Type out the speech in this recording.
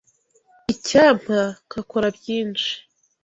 Icyampa nkakora byinshi.